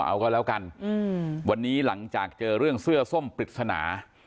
เอาก็แล้วกันวันนี้หลังจากเจอเรื่องเสื้อส้มปริศนา